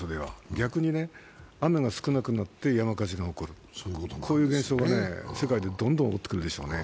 逆に雨が少なくなって山火事が起こる、こういう現象が世界でどんどん起こってくるでしょうね。